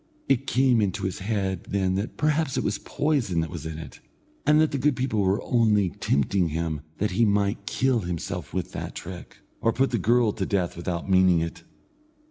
It came into his head then that perhaps it was poison that was in it, and that the good people were only tempting him that he might kill himself with that trick, or put the girl to death without meaning it.